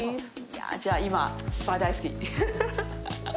いやぁ、じゃあ、今、スパ大好き！